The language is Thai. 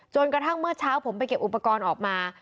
กระทั่งเมื่อเช้าผมไปเก็บอุปกรณ์ออกมา